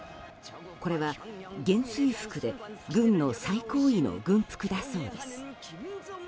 これは元帥服で軍の最高位の軍服だそうです。